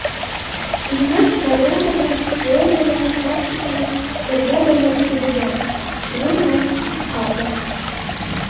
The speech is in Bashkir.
Үҙенең программаһын теория менән практиканы бергә бәйләп төҙөгән, шуның менән отҡан да.